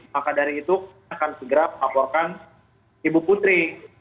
maka dari itu akan segera melaporkan ibu putri